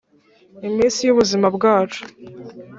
Iminsi y ubuzima bwacu